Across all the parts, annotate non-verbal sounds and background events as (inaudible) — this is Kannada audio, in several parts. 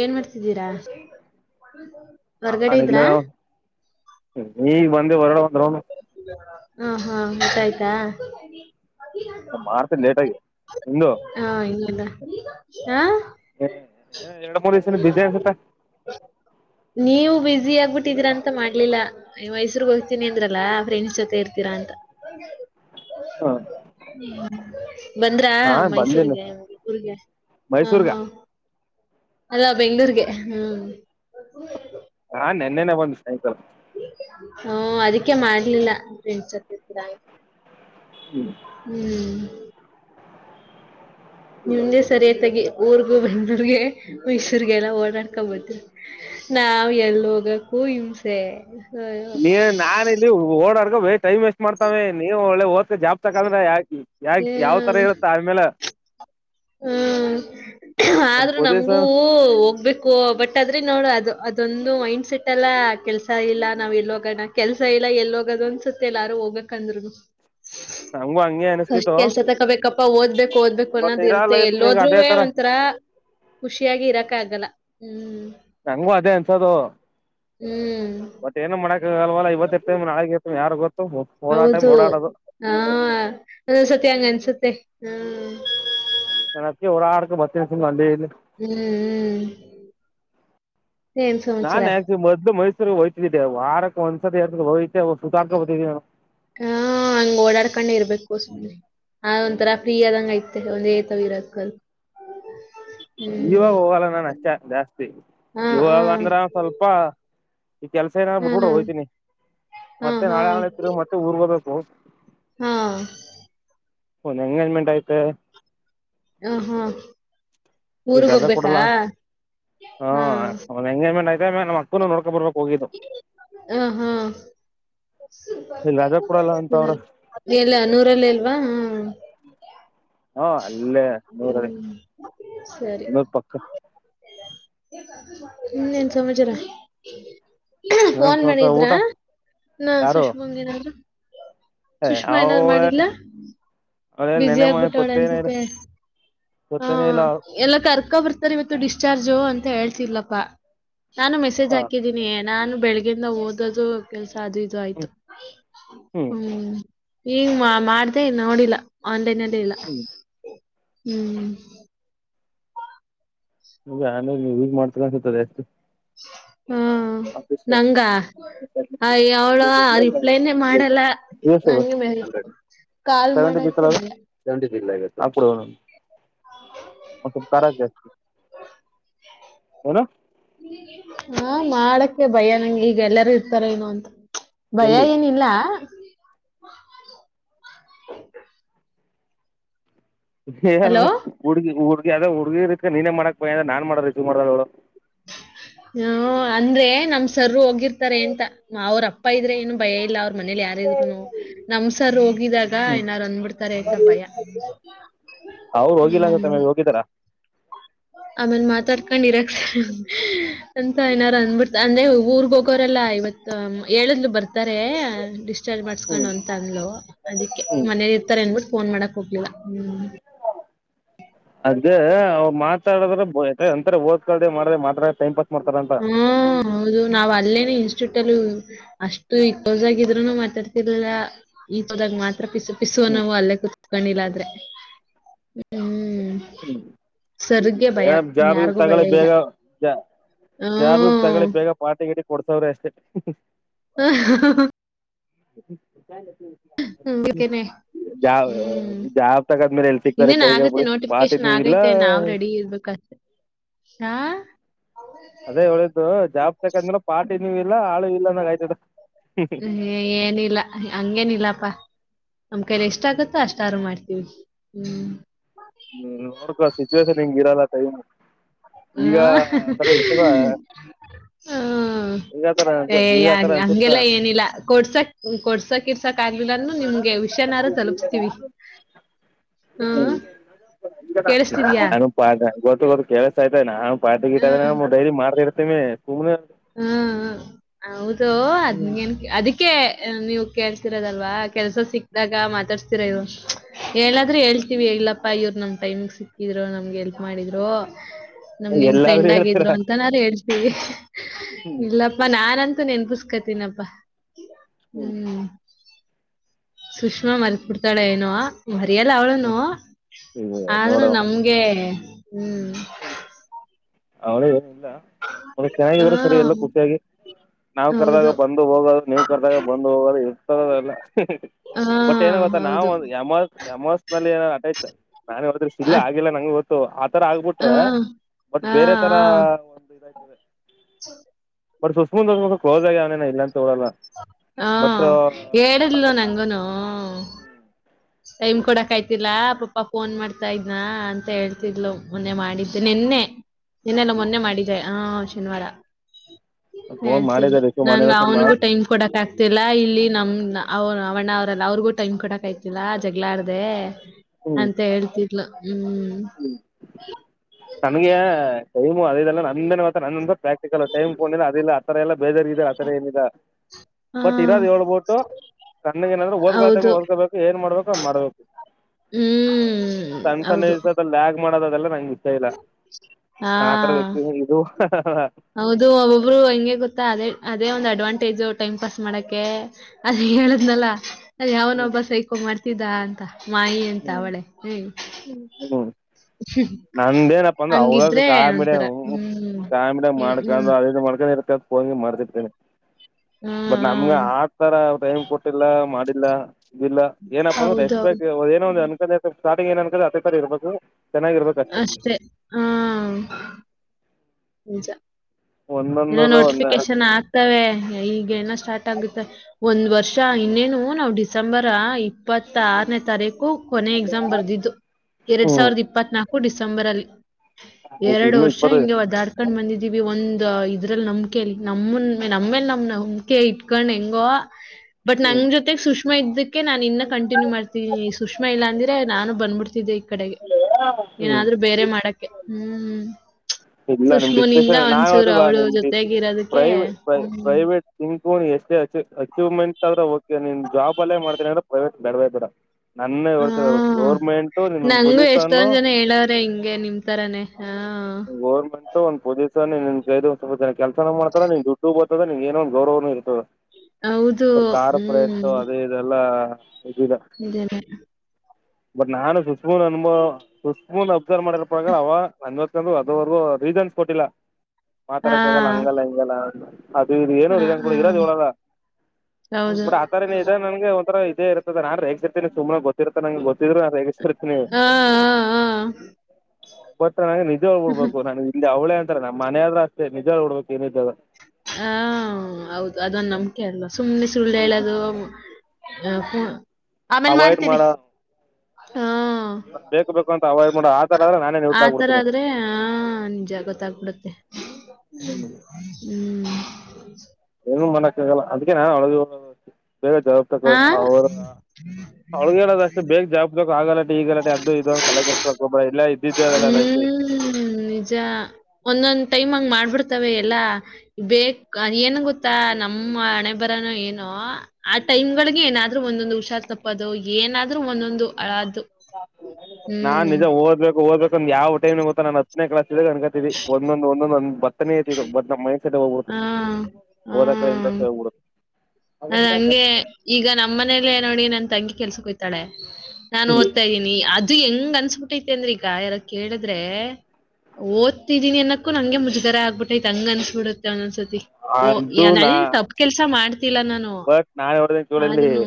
ಏನ್ ಮಾಡ್ತಿದ್ದೀರಾ ಹೊರ್ಗಡೆ ಇದ್ರಾ ಹ್ಮ ಈಗ ಬಂದೆ ಹೊರಗಡೆ ಅದ್ರೌನು ಹಾ ಹಾ ಊಟ ಆಯ್ತಾ ನ ಮಾಡ್ತೀನಿ ಲೇಟ್ ಆಗಿ ಹಾ ಇಲ್ಲ ಇಲ್ಲ ಹ ಏ ಎರಡ್ ಮೂರ್ ದಿವಸನ ಬಿಜಿ ಆಗ್ಬಿಟ್ಟೆ ನೀವು ಬಜಿ ಆಗ್ಬಿಟ್ಟಿದೀರಾ ಅಂತ ಮಾಡ್ಲಿಲ್ಲ ಈ ಮೈಸೂರ್ ಗೆ ಹೋಗಿ ತಿನಿ ಅಂದ್ರಲ್ಲ ಆ ಫ್ರೆಂಡ್ಸ್ ಜೊತೆ ಇರ್ತೀರಾ ಅಂತ್ಮ ಹ್ಞೂ ಬಂದ್ರಾ ನಾನು ಬಂದಿಲ್ಲ ಮೈಸೂರ್ಗೆ ಊರಿಗೆ ಹಾ ಮೈಸೂರ್ಗೆ ಹಾ ಅಲ್ಲಾ ಬೆಂಗಳೂರಿಗೆ ಹ್ಮ್ ಹಾ ನೆನ್ನೆನೆ ಬಂದು ಸನಾಯಕಲ್ ಹ್ಮ ಅದಕ್ಕೆ ಮಾಡ್ಲಿಲ್ಲ ಫ್ರೆಂಡ್ಸ್ ಜೊತೆ ಇರ್ತೀರಾ ಹ್ಮ್ ಹ್ಮ್ ನಿಮ್ದೆ ಸರಿಯ್ತಾಗಿ ಊರ್ಗು ಬೆಂಗ್ಳೂರ್ಗೆ ಮೈಸೂರ್ಗೆಲ್ಲಾ ಓಡಾಡ್ಕೊಬತ್ತಿರ ನಾವು ಎಲ್ ಹೋಗಕ್ಕೂ ಹಿಸೆ ನೀ ನಾ ಇಲ್ಲಿ ಓಡಾಡ್ಕೊಂಡು ಟೈಮ್ ವೇಸ್ಟ್ ಮಾಡ್ತಾವೆ ನೀವು ಒಳ್ಳೆ ಓದ್ ಜಾಪ್ ತಕಂದ್ರೆ ಯಾಕ ಯಾಕ ಯಾವ್ ತರ ಹ್ಮ್ ಇರುತ್ತೆ ಅಂದ್ಮೇಲೆ ಹ್ಮ್ ಒಂದು ಆದ್ರೂ ನಮ್ಗೂ ಪೊಸಿಷನ್ ಹೋಗ್ಬೇಕು ಬಟ್ ಅ ಆದ್ರೆ ನೋಡ ಅದು ಅದು ಇದೊಂದು ಮೈಂಡ್ ಸೆಟ್ ಅಲ್ಲ ಕೆಲ್ಸ ಇಲ್ಲ ನಾವ್ ಎಲ್ಲಿಗೋಣ ಕೆಲಸ ಇಲ್ಲ ಎಲ್ಲಿಗೋದು ಅನ್ಸುತ್ತೆ ಎಲ್ಲಾರು ಹೋಗ ಂದರುನೂ ನನಗೂ ಹಂಗೆ ಪಷ್ಟ್ ಅನಿಸ್ತಿತ್ತು ಕೆಲ್ಸ ತಕೋಬೇಕಪ್ಪಾ ಓದ್ಬೇಕು ಓದ್ಬೇಕು ಬಟ್ ಅನ್ನೋದ ಇರೋ ಇರುತ್ತೆ ಲೈಫ್ ನಿಂಗೆ ಎಲ್ಲೋದ್ರೂ ಅದೇ ಥರ ಒಂಥರ ಖುಷಿಯಾಗಿ ಇರಕ ಆಗಲ್ಲ ಹ್ಮ್ ನನಗೂ ಹ್ಮ್ ವಟ್ಟ್ ಏನು ಮಾಡಕ್ ಅಗಲ್ವಲ್ಲ ಇವತ್ತು ಇರ್ತ ನಾಳ ಇರತವ ಯಾರ ಗೊತ್ತ್ ಹೌದು ಹ ಒಂದ್ ಒಂದ್ ಸತಿ ಹಂಗ ಅನ್ಸತಿ ಹ್ಮ್ ನನ ಅದಕ್ಕೆ ಹ ಓಡಾಡಿಕೊಂಡು ಬರ್ತೀನಿ ಅಲ್ಲಿ ಇಲ್ಲಿ ಹ್ಮ್ ಹ್ಮ್ ಏನ್ ನಾನ್ ಸಮಾಚಾರ ಆಕ್ ಮೊದಲು ಮೈಸೂರಿಗೆ ಹೋಗ್ತಿದ್ದೆ ವಾರಕ್ ಒಂದ್ಸತಿ ಎರ ಹೋಯಿತೇ ಸುತ್ತಾಡಿಕೊಂಡು ಬರ್ತಾ ಇದೀನಿ ನಾನು ಹಾ ಹಂಗ್ ಓಡಾಡ್ಕೊಂಡೆ ಇರ್ಬೇಕು ಸುಮ್ನೆ ರಿ ಆಗ ಒಂತರ ಫ್ರೀ ಆದಂಗ ಆಯ್ತ ಒಂದೇ ತ ಇರದು ಇವಾಗ ಹೋಗಲ್ಲ ನಾನ್ ಅಷ್ಟ ಜಾಸ್ತಿ ಹಾ ಹಾ ಇವಾಗ ಅಂದ್ರ ಸ್ವಲ್ಪ್ ಈ ಕೆಲ್ಸ ಏನಾದಾರ ಬಿಟ್ಬಿಡ್ರೆ ಹ್ಮ್ ಹೋಗಯ್ತೀನಿ ಹಾ ಮತ್ತೆ ಹಾ ನಾಳೆ ನಾಡಿದ್ದು ತಿರಗ ಮತ್ತೆ ಊರ್ ಹೋಬೇಕು ಹಾ ಹ ಒಂದು ಎಂಗೇಜ್ಮೆಂಟ್ ಐತೆ ಹ ಹ ಇಲ್ಲಿ ಊರಗ ರಜಾ ಹೋಗ್ಬೇಕಾ ಕೊಡಲ್ಲ ಹಾ ಅವನ್ ಎಂಗೇಜ್ಮೆಂಟ್ ಆಯತ ಆ ನಮ್ಮ್ ಅಕ್ಕುನ ನೋಡ್ಕೊ ಬರ್ಬೇಕಕ್ ಹೋಗಿದ್ದು ಹ್ಮ ಹ್ಮ ಇಲ್ಲಿ ರಜಾ (unintelligible) ಕೊಡಲ್ಲ ಅಂತ ಹ್ಮ ಅವ್ರು ಎಲ್ಲ ಅನೂರಲ್ಲ ಇಲ್ವಾ ಹ ಹ ಅಲ್ಲೇ ನೂರ ಹ್ಮ್ ಸರಿ ನೂರ್ ಪಕ್ಕ ಹ್ಮ ಇನ್ನೇನ್ ಸಮಾಚಾರ ಏನ್ ಫೋನ್ ಸಮಾಚಾರ ಮಾಡಿದ್ರ ಊಟ ನ ಯಾರು ಸುಷ್ಮಂಗ ಏನಾದ್ರು ಸುಷ್ಮಾ ಏನಾದ್ರು ಅವ ಮಾಡಿದಲ ಅವ ಬ್ಯುಸಿ ನೆನ್ನೆ ಮೊನ್ನೆ ಆಗ್ಬಿಟ್ಟವಳೆ ಪತ್ತೇನೇ ಇಲ್ಲ ಅನ್ಸುತ್ತೆ. ಹಾ ಪತ್ತೇನೇ ಇಲ್ಲ ಎಲ್ಲ ಕರ್ಕೊ ಬರ್ತಾರ ಇವತ್ತು ಡಿಸ್ಚಾರ್ಜು ಅಂತ ಹೇಳ್ತಿಲ್ಲಪ್ಪಾ ನಾನು ಮೆಸೇಜ್ ಹಾ ಹಾಕಿದೀನಿ ನಾನು ಬೆಳಿಗಿಂದ ಓದೋದು ಕೆಲ್ಸ ಅದು ಇದು ಹ್ಮ್ ಆಯ್ತು ಹ್ಮ್ ಈಗ ಮಾ ಮಾಡ್ದೆ ನೋಡಿಲ್ಲ ಒನ್ಲೈನಲ್ಲಿ ಇಲ್ಲ ಹ್ಮ್ ಹ್ಮ್ ಈ ಆಮೇಲೆ ನೀವು ಹ ಈಗ್ ಮಾಡ್ತ ಅನ್ಸತದ ಎಷ್ಟು ಹಾ ಹ ನಂಗ ಅಯ್ಯೋ ಅವಳ್ ರಿಪ್ಲೈನೇ ಮಾಡಲ್ಲ ನ ಎಷ್ಟು ಹಂಡ್ರೆಡ್ ಕಾಲ್ ಮಾಡಕ್ಕೆ ಭಯ ಜಿಲ್ಲ ಆಕಡ ಮತ್ತ ಕಾರ ಜಾಸ್ತಿ ಹನಾ ಹಾ ಮಾಡಕ್ಕೆ ಭಯ ನಂಗ ಈಗ ಎಲ್ಲಾರೂ ಇರ್ತಾರ ಏನು ಅಂತ ಭಯ ಎಲ್ಲಿ ಏನಿಲ್ಲ ಏ ಹಲೋ ಹುಗಿ ಹುಡ್ಗಿ ಅದ ಹುಗಿದಕ್ಕಕ್ ನೀನೇ ಮಾಡಕ್ ಬಯ ಅ ನಾನ್ ಮಾಡ್ರ ರಿಸ ಮಾಡ ಅವಳ (inaudible) ಹ್ಮ ಅಂದ್ರೆ ನಮ್ ಸರು ಹೋಗಿರ್ತಾರೆ ಎಂತ ಅವ್ರಪ್ಪ ಇದ್ರೆ ಏನು ಭಯ ಇಲ್ಲ ಅವ್ರರು ಮನೇಲಿ ಯಾರಿದ್ರುನು ನಮ್ಸರ್ ಹೋಗಿದಾಗ ಏನಾರ ಅಂದ್ಬಿಡ್ತಾರೆ ಅಂತ ಭಯ ಅವರು ಹೋಗಿಲ್ಲಗತ್ತ ಹ್ಮ್ ಮೇಲೆ ಹೋಗಿದಾರಾ (inaudible) ಆಮೇಲೆ ಮಾತಾಡ್ಕೊಂಡ್ ಇರಕ್ ಅಂತ ಏನಾರ ಅಂದ್ಬಿಡ್ತ ಅಂದ್ರೆ ಉರಗ ಹೋಗೋರೆಲ್ಲ ಇವತ್ ಹೇಳಿದ್ಲು ಬರ್ತ ತಾರೆ ಡಿಸ್ಚಾರ್ಜ್ ಹ್ಮ್ ಮಾಡ್ಸ್ಕೊಂಡ್ ಅಂತ ಅಂದ್ಲು ಅದಕ್ಕೆ ಹ್ಮ್ ಮನೇಲಿ ಇರ್ತಾರೆ ಅನ್ಬಿಟ್ಟು. ಫೋನ್ ಮಾಡಕ್ ಹೋಗ್ಲಿಲ್ಲ ಹ್ಮ ಅದೇ ಮಾತಾಡಿದ್ರ ಎಂತ ಓದ್ಕ್ದ ಮಾಡ್ರೆ ಹ್ಮ ಹೌದು ನಾವ್ ಅಲ್ಲೇನೆ ಇನ್ಸ್ಟ್ಯೂಟ್ಲ್ಲೂ ಅಷ್ಟು ಈ ಕ್ಲೋಸಾಗಿ ಇದ್ರುನು ಮಾತಾಡ್ತಿರ್ಲಿಲ್ಲ ಈಗೋದಾಗ ಮಾತ ಪಿಸ ಪೀಸ್ ನಾವು ಅಲ್ಲೇ ಕುೂತ್ಕೊಂಡಿಲ್ಲ ಆದ್ರೆ ಹ್ಮ್ ಸರ್ಗೆ ಭಯ ಇನ್ ಯಾರಿಗೂ ಭಯ ಇಲ್ಲ ಜ ಜಾಬ ಹ್ಮ್ ತಗಳಿ ಬೇಗ ಪಾರ್ಟಿಗೇಟಿ ಕೊಡ್ಸವ್ರೆ ಅಷ್ಟೇ ಹ ಹ (unintelligible) ಅದಕ್ಕೇನೆ ಹ್ಮ್ ಜಾಬ್ ತಗಾದ್ಮೇಲೆ ಎಲ್ಲಿ ಸಿಕ್ತಾರೆ ಕೈಗ ಬಿಡಿ. ಪಾರ್ಟಿ ಷ್ಟನ್ ನೀವು ಇಲ್ಲ ಆಾಗೈತೆ ನಾವ್ ರೆಡಿ ಇರ್ಬೇಕಷ್ಟೆ ಹ. ಅದೇ ಹೇಳಿದ್ದು ಜಾಬ್ ತೇಕಂದ್ರ ಪಾರ್ಟಿ ನು ಇರತ ಹು ಏನಿಲ್ಲ ಹಂಗೇನಿಲ್ಲಪ್ಪಾ ನಮ್ ಕೈಲಿ ಎಷ್ಟ ಆಗುತ್ತೋ ಅಷ್ಟಾರು ಮಾಡ್ತೀವಿ ಹ್ಮ್ ಹ್ಮ ನೋಡ್ಕೋ ಸಿಚುವೇೇಶನ್ ಹಿಂಗ ಇರಲ್ಲ ಟೈಮ್ ಈಗ ಅತರ್ ಇರತದ (inaudible) ಯೆ ಹಂಗೆಲ್ಲ ಏನಿಲ್ಲ ಕೊಡ್ಸಕ್ ಕೊಡ್ಸಕ್ ಇರ್ಸಕ್ ಆಗ್ಲಿಲ್ಲಾನು ನಿಮ್ಗೆ ವಿುಷ್ಯನಾರು ತಲುಪಿಸತೀವಿ (inaudible) ಹ್ಮ ಕೇಳಿಸತಿದ್ಯಾ ನಾನು ಪಾ ಗೊತ್ತು ಗೊತ್ತು ಕೆೇಳಸ ಆಯ್ತ ನಾನು ಪಾಟಿ ಗಿಟ್ಟ ಆದ್ರೆ ಡೈರಿ ಮಾಡ ಹ್ಮ ಹೌದು ಅದ್ನ್ ಅದ. ನೀವು್ ಕೇಳ್ತಿರೋದಲ್ವಾ ಕೆಲ್ಸ ಸಿಕ್ದಾಗ ಮಾತಾಡ್ಸ್ತಿರೋ ಇವು ಹೇಳಏಾದ್ರೂ. ಹೇಳ್ತೀವಿ ಇಲ್ಲಪ್ಪಾ ಇವ್ರು ನಮ್ ಟೈಮಿಂಗ್ ಸಿಕ್ಕಿದ್ರು ನಮ್ಗೆ ಎಲ್ಪ್ ಮಾಡಿದ್ರು. ನಮ್ಗಿನ್ ಫ್ರೆಂಡ್ ಎಲ್ಲಾದರೂ ಹೇಳ್ತೀರ ಆಗಿದ್ರು ಅಂತ ನಾ ಹೇಳ್ತೀವಿ ಇಲ್ಲಪ್ಪ ನ. ನಾನಂತೂ ನೆನಪುಸ್ಕತೀನಪ್ಪಾ ಹ್ಮ್. ಸುಷ್ಮಾ ಮರಿತ್ ಬಿಡ್ತಾಳ ಏನು. ಮರಿಯಲ್ಲ ಅವಳನು ಇದು ಆದ್ರೂ ನೋಡು ನಮ್ಗೆ. ಹ್ಮ್. ಅವಳ ಏನ ಇಲ್ಲ ಮಳ ಹಾ ಚೆನ್ನಾಗಿದ್ರೆ ಸರಿ ಎಲ್ಲ ಖುಷಿಯಾಗಿ. ನಾವ್ ಕರ್ದಾಗ ಹೌದು ಬಂದು ಹೋಗೋದು ನೀವ್ ಕರ್ದಾಗ ಬಂದು ಹೋಗೋದು ಇರ್ತರದಲ್ಲ. ಹಾ ಬಟ್ ಏನ ಗೊತ್ತ ನಾ ಹೌದು ಎಮೋಲ್ಲಿ ಏ ಅಟಚ್. ನಾನ ಹದ್ರೆ ಶಲ್ಲ ಅದ್ ಆಗಿಲ್ಲ ನಂಗಗೆ ಗೊತ್ತು ಆತರ ಹಾ ಆಗ್ಬಿಟ್ರೆ ಬಟ್ ಹಾ ಬೇರೆ ತರ ಹಾ ಒಂದು. ಇದದತೆ (unintelligible) (unintelligible) ಬಟ್ ಸುಸ್ುತ್ ಹೊಸು ಕ್ಲೋ ಆಗ ಅವನ ಇಲ್ಲಂತ. ಹಾ ಆರಾಮ ಅಳಿರ್ನಿಲ್ವಾ ನಂಗುನು. ಟೈಮ್ ಕೊಡಕ್ಯ್ತಿಲ್ಲಾ ಪಾಪ ಫೋನ್ ಮಾಡ್ತಾ ಇದ್ನ ಅಂತ ಹೇಳ್ತಿದ್ಲು ಮೊನ್ನೆ ಮಾಡಿದ್ದೆ ನಿೆನ್ನೆ. ಇನ್ನೆಲ್ಲ ಮೊನ್ನೆ ಮಾಡಿದ್ದೆ ಹಾ ಶನಿವಾರ. ಫೋನ್ ಮಾಡಿದೆ ಹೇಳ್ತಿದ್ಲು ರಿಸೀವ್ ನಂಗ್ ಮಾಡಿಲ್ಲ ಸುಮ್ಮ ಅವನಿಗೂ ಟೈಮ್ ಕೊಡಕ್ ಆಗ್ತ. ಇತ್ತಲ್ಲಾ ಇಲ್ಲಿ ನಮ್ ಅವ ಅವಣ್ಣ ಅವ್ರಲ್ಲ ಅವ್ರಿಗೂ ಟೈಮ್ ಕೊಡಕ ಆಯ್ತಿಲ್ಲ ಜಗಳಾ ಆಡ್ದ. ಅಂತ ಹೇಳ್ತಿದಲ ಹ್ಮ್. ನನ್ಗೆ ಟೈಮು ಅದದೆಲ್ಲ ನಂದ ಮತ್ತ ನನ್ನ ಪ್ರಾಕ್ಟಿಕಲ್ ಟೈಮ್ೊಂಡಿಲ್ಲ ಅದಲ್ಲ ಆಥರ ಎಲ್ಲ. ಬೇದರ್ ಇದಾರ ಆತರ ಏನಿದೆ ಹ ಬಟ್ ಇರೋದು ಏಳ್ಬೋಟ್ಟು. ಕಣ್ಣಗ ಏನಾದ್ರೂ ಓದ್ಗಾಟಮ ಹೌದು ಓದ್ಕೋಬೇಕು ಏನ್ ಮಾಡ್ಬೇಕು ಅದ್ ಮಾಡ್ಬೇಕು. ಹ್ಮ್ ಸಣ್ಣ ಸಣ್ಣ ಹೌದು ದಿವಸದಲ್ಲಿ ಯ್ಯಾಗ ಮಾಡೋದದೆಲ್ಲ ನಂಗೆ ಇಷ್ಟ ಇಲ್ಲ. ಹಾ ನಾ ತರ ವ್ಯಕ್ತಿ ಇದು. ಹೌದು ಒಬ್ಬೊಬ್ರು ಹೆಂಗೆ ಗೊತ್ತಾ ಅದೇ ಅದೇ ಒಂದು ಅಡ್ವಾಂಟ. ೇಜು ಟೈಮ್ ಪಾಸ್ ಮಾಡಕೆ ಅದು ಹೇಳುದ್ನಲ್ಲ ಅ ಯಾವನ ಹ್ಮ್ ಒಬ್ಬ ಸೈಕೋಗ್ ಮಾಡ್ತ. ಿದ ಅಂತ. ಮಾಯಿ ಅಂತ ಹ್ಮ್ ಅವಳೆ ಹ್ಮ್ ಹ್ಮ ಹ್ಮ ನಂದೇನಪ್ಪ. ಅವ್ಳಾಗ ಹಂಗಿದ್ರೆ ಕಾಮಿಡ ಒಂಥರ ಹ್ಮ್ ಕಿಡ ಹ್ಮ್ ಹ್ಮ್ ಮಾಡ್ಕ ಹ್ಮ್ ಅದ ಮಾಡ್ಕ. ಹ ಮಾಡ್ತಿದಿ ಬಟ್ ನಮ್ಗೆ ಹ್ಮ್ ಆತರ ಟೈಮ್ ಕೊಟ್ಟಿಲ್ಲ ಮಾಡಿದ. ಇಲ್ಲ ಏನಪ್ಪ ಅಂದ್ರ ಎಷ್ಟಸ್ ಹೌದೌದು ಬ. ಸ್ಟಾರ್ಟಿಂಗ್ ಏನಂದರೆ ಅದೇ ತರ ಇರಬೇಕು. ಅಷ್ಟೇ ಹಾ ನಿಜ. ಏನ ಒಂದೊಂದಲ್ಲ ಒಂದ ನೋಟಿಫಿಕೇಶನ್ ಆಗ್ತವೆ ಈಗ ಏನ ಸ್ಟಾರ್ಟ್ ಆಗುತ್ತೆ ಒಂದ್ ವರ್ಷ ಇನ್ನೇನು. ಹು ನಾವು ಡಿಸೆಂಬರ್. ಇಪ್ಪತ್ತ ಆಾರನೇ ತಾರೀಕು ಕೊನೆ ಎಕ್ಸಾಮ್ ಬರೆದಿದ್ದು ಎರಡ್ ಹ್ಮ್ ಸಾವಿರದ ಇಪ್ಪತ್ನಾಲ್ಕು ಡಿಸೆಂಬರ್ ಅಲ್ಲಿ. ಎರಡು ಇನ್ನು ವರ್ಷ ಇಪ್ಪತ್ತೈದು ಹಿಂಗೆ ಒದಡಿಕೊಂಡು ಬಂದಿದ್ದೀವಿ ಒಂದ ಇದ್ರಲ್ಲಿ ನಂಬಿಕೆ ನಮುನ್ ನಮ್ಮಮೇಲೆ ನಮಗೆ ನಂಬಿಕೆ ಇಟ್ಕೊಂಡ್ ಹೆಂಗೋ ಬಟ್ ಹ್ಮ್ ನಂಗ ಜೊತೆ ಸುಷ್ಮಾ. ಸುಷ್ಮಾ ಇದ್ದಕ್ಕೆ ನಾನನ್ ಇನ್ನ ಕಂಟಿನ್ಯೂ ಮಾಡ್ತೀನಿ ಸುಷ್ಮಾ ಇಲ್ಲಾಂದ್ರೆ ನಾನು ಬಂದ್ಬಿಡ್ತಿದ್ದೆ ಈ ಕಡೆಗೆ. ಹ್ಮ್ ಏನಾದ್ೂ ಬೇರೆ ಮಾಡಕ್ಕೆ ಹ್ಮ್. ಇಲ್ಲ ನಿಮ್ ಸುಷ್ಮುನಿಂದ ಡಿಸಷನ್ ನಾ ಒಂಚೂರು ಅದು ಬಾ ಅವಳು ನಿಮ್ ಜೊತೆಗಿರೋದಕ್ಕೆ ಪ್ರೈವ ಹ್ಮ್ ಪ್ರೈವೇಟ್. ಎಷ್ಟೇ ಅ ಅಚೀವ್ಮೆಂಟ್ ಆದ್ರೆ ಓಕೆ ನೀನ್ ಜಾಬ್ ಅಲೈ ಮಾಡ್ತನಿ ಅಂದ್ರೆ ಪ್ರೈವೇಟ್ ಬೇಡವೇ ಬೇಡ. ನೆನ್ನೆ ಹಾ ಹೇಳ್ತಿರೋದು ಗೋರ್ಮೆಂಟ್ ನಿಮ್ ನಂಗೂ ಪೊಸಿಷನ್ನು. ಎಷ್ಟೊಂದ್ ಜನ ಹೇಳವ್ರೆ ಹಿಂಗೆ ನಿಮ್ ತರಾನೇ ಹಾ ಗೌರ್ೆಂಟ್ ಒಂದ ಪೊಸೀಷನ್ನ್ ಕೈ ಸ್ವಲ್ಪ ಜನ ಕೆಲಸನ ಮಾಡ್ತಾರ ನೀನ್ ದುಡ್ಡು. ಇರ್ತದ ನಿಂ ಏನೊಂದು ಗೌರವನ ಇರ್ತದೆ ಹೌದು ಬ ಕಾರ್ಪೊರೇಟ್ ಅದೇ ಇದೆಲ್ಲಾ. ಇದಿಲ್ಲ ನಿದಾನ ಬಟ್ ನಾನು ಸುಷ್ಮಾಅನುಭವ ಸುಷ್ಮಾನಾ ಅಬ್ಸರ್ವ್ ಮಾಡಿರ ಪ್ರಕಾರ ಅವ ಅದುವರೆಗೂ ರೀಸನ್ಸ್ ಕೊಟ್ಟಿಲ್ಲ ಹಾ ಮಾತಾಡಕ್ಕ ಆಗಲ್ಲ ಹಂಗಲ್ಲ ಹಿಗಲ್ಲ ಅಂತ ಅದು ಇದು ಏನು ಹಾ ರೀಸನ್ ಹಾ ಕೊಟ್ಟಿಲ್ಲ ಇರೋದಿಲ್ಲ ಹೇಳೋದ ಹೌದು ಬಟ್ ಆತರನ ಇದೆ ನನ್ಗೆ ಒಂಥರ ಇದ್ದೆ ಇರ್ತದ ರೇಗಸ ಇರ್ತೀನಿ ಸುಮಗೆ ಗೊತ್ತಿರ್ತ ನಂಗೆ ಗೊತ್ತಿದ್ರು ನಾನ್ ರೇಗಿಸ್ತೀರ್ತೀನಿ ಹಾ ಹಾ ಹಾ ಗೊತ್ತಾ ನಿಜ ಹೇಳಿಬಿಡಬೇಕು ನನಗೆ ಇಲ್ಲಿ ಅವಳೇ ಅಂತಾರೆ ನಮ್ಮ ಮನೆ ಆದ್ರರು ಅಷ್ಟೇ ನಿಜ ಹೇಳಿಬಿಡ್ಬೇಕು ಏನಿದ್ದು ಆದ ಹ ಹೌದು ಅದೊಂದ ನಂಬಿಕೆ ಅಲ್ಲ ಸುಮ್ನೆ ಸುಳ್ಳು ಹೇಳದು ಆಹಾ ಆಮೇಲ್ ಅವಾಯ್ಡ್ ಮಾಡ್ತೀನಿ ಮಾಡ ಹಾ (inaudible) ಬೇಕು ಬೇಕು ಅಂತ ಅವಾಯ್ಡ್ ಮಾಡೋ ಆತರ ಆದ್ರೆ ನಾನೇ ನ್ಯೂಟ್ಲ್ ಆತರ ಆಗ್ಬಿಡ್ತೀನಿ ಆದ್ರೆ ಆ ನಿಜಾ ಗೊತ್ತಾಗಬಿಡತ್ತೆ ಹ್ಮ್ ಏನು ಮಾಡೋಕೆ ಆಗಲ್ಲ ಅದಿಕ್ಕೆ ನಾನು ಬೇಗ ಆ? ಅವ್ರನ್ನ ಅವಲಳಿಗೆಲೊದು ಅಷ್ಟ ಬೇಗ್ ಜಾಬ್ದತಕೊ ಆ ಗಲಾಟಿ ಏ ಗಲಾಟಿ ಅದುಇದು ಅಂತ ತಲೆ ಕೆಡಿಸ್ಕೊಳೋಕ್ಕೆ ಹೋಗಬೇಡ ಇಲ್ಲ ಇದ್ದಿದ್ದೆ ಅದೆಲ್ಲ ಲೈಫ್ ಹ್ಮ್ ನಿಜ ಒಂದೊಂದು ಒಂದೊಂದು ಟೈಮ್ ಹಂಗ ಮಾಡ್ಬಿಡ್ತಾವ ಎಲ್ಲಾ ಬೇಕ್ ಏನ್ ಗೊತ್ತಾ ನಮ್ಮ್ ಹಣೆ ಬಾರನೋ ಏನೋ ಆ ಟೈಮ್ಗಳಿಗೆ ಏನಾದ್ರು ಒಂದೊಂದು ಹುಷಾರ್ ತಪ್ಪೋದು ಏನಾದ್ರು ಒಂದೊಂದು ನಾನ್ ಹ್ಮ್. ನಿಜ ಓದ್ಬೇಕು ಓದಬೇಕಂದು ಯಾವ ಟೈಮ್ಯಿಂದ ಗೊತ್ತಾ ನಾನ್ ಹತ್ತನೇ ಕ್ಲಾಸ್ ಅಂಕ್ಕತಿದ್ದಿ ಒಂದೊಂದ ಒಂದೊಂದು ಬತ್ತನೇ ಇರ್ತಿತ್ತು ಬಟ್ ಮೈಂಡ್ ಸೆಟ್ ಹೋಗ್ಬಿಡ್ತು ಆ. ಓದೋ ಕಡೆ ಇಂಟರೆಸ್ಟ್ ಹೋಗಿಬಿಡ್ತು ಅದ ಹಂಗೆ ಈಗ ನಮ್ಮ ಮನೇಲ್ಲ ನೋಡಿ ನನ್ ತಂಗಿ ಕೆಲ್ಸಕ್ಕೆೋಯ್ತಾಳೆ ನಾನು ಓದ್ತಾ ಇದೀನಿ ಅದು ಇದು ಹೆಂಗ್ ಅನ್ನಿಸಿಬಿಟೈತೆ ಅಂದ್ರೆ ಈಗ ಯಾರ ಕೇಳಿದ್ರೆ ಓದ್ತಿದೀನಿ ಅನಕ್ಕೂ ನಂಗೆ ಮುಜಗರ ಆಗ್ಬಿಟ್ಟೈತ್ ಹಂಗ ಅನ್ನಿಸಬಿಡುತೆ ಒಂದೊಂದು ಸರಿ ಓದ್ ಅದು ನಾನು ನಾ ಏನು ತಪ್ಪು ಕೆಲಸ ಮಾಡ್ತಿಲ್ಲ ನಾನು ಬಟ್ ನಾನ್ ಹೇಳೋದು ಕೋಲಿಲ್ಲಿ ಆದ್ನು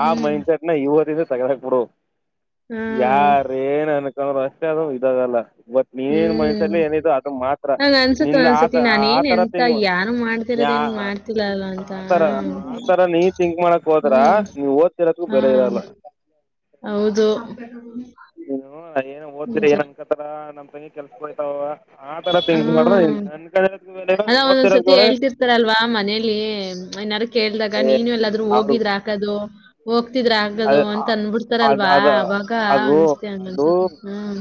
ಆ ಹ್ಮ್ ಮೈಂಡ್ಸೆಟ್ ಈವಾಗ ಓದಿದ್ರೆ ತೆಗೆದು ಹಾಕಿಬಿಡು ಹಾ ಯಾರ ಏನ್ ಅನ್ಕೊಂಡರು ಅಷ್ಟೇ ಅದು ಇದಾಗಲ್ಲ ಬಟ್ ನಿನ್ ಮೈಂಡ್ ಹ್ಮ್ ಸೆಟ್ಏನಿದು ಅದು ಮಾತ್ರ ಹಂಗ ಅನ್ಸತ್ ನಿಂದ ಆತ ಒಂದೊಂದ್ಸತಿ ಆತರ ಥಿಂಕ್ ನೀನು ಏನು ಮಾಡ್ತಿಲ್ಲ ಅಂತ ಆತರ ನೀ ಥಿಂಕ್ ಮಾಡಕ್ ಹೋದ್ರ ಹ್ಮ್ ನೀವ್ ಓದ್ತಿರದೂ ಹಾ ಬೆಲೆ ಇರಲ್ಲ ಹೌದು ಓದಿದ್ರೆ ನಿಜ ಏನ್ ಅನ್ಕೋತರ ನಮ್ಮ ಕೆಲಸಕ್ಕೆ ಹೋಗ್ತಾಳ ಆತರ ಥಿಂಕ್ ಮಾಡಿದ್ರೆ ನೀನು ಹಾ ಅನ್ಕೊಂಡಿರೋದಕು ಬೆಲೆ ಇಲ್ಲ ಅಲ್ಲ ನೀನು ಓದಿರೋಕ್ಕು ಒಂದೊಂದ್ಸತಿ ಬೆಲೆ ಇಲ್ಲ ಹೇಳ್ತಿರ್ತಾರಲ್ವಾ ಮನೇಲಿ ಏನಾರು ಕೇಳ್ದಾಗ ಏ ನೀನು ಎಲ್ಲಾದ್ರೂ ಅವ್ರು ಹೋಗಿದ್ರೆ ಹಾಕದು ಹೋಗ್ತಿದ್ರೆ ಅ ಆಗದು ಅಂತ ಅದ್ ಅನ್ಬಿಡ್ತಾರಲ್ವಾ ಅದ ಅವಾಗ ಒನ್ಸತಿ ಅಂಗನ್ಸತಿ ಹ್ಮ್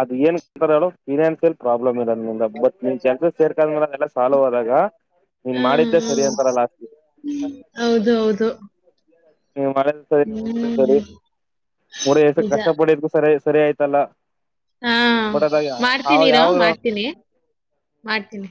ಅದ ಏನುಕ್ಕೆ ಅಂತಾರೆ ಹೇಳು ಫಿನಾನ್ಸಿಯಲ್ ಪ್ರಾಬ್ಲಮ್ ಇದೆ ನಿಂದು ಬಟ್ ನೀನು ಕೆಲಸಕ್ಕೆ ಸೇರ್ಕದ್ಮೇಲೆ ಎಲ್ಲ ಸಾಲ್ವೆ ಆದಾಗ ನೀನ್ ಹ್ಮ್ ಮಾಡಿದ್ದೆ ಸರಿ ಹ್ಮ್ ಅಂತಾರಾ ಲಾಸ್ಟಗೆ ಹೌದು ಹೌದು ನೀವು್ ಮಳ ಸರಿ ನೀವ್ ಹೋಗಿದ್ರ ಸರಿ ಹ್ಮ್ ಮೂಡಸ ನಿಜ ಕಷ್ಟ ಪಡಿದೂ ಸರಿ ಸರಿ ಆಯ್ತಲ್ಲ ಹಾ ಬಟ್ ಅದಾಗ ಆವಾಗ ಮಾಡ್ತೀನಿರೋ ಯಾವಾಗ ಮಾಡ್ತೀನಿ ಮಾಡ್ತೀನಿ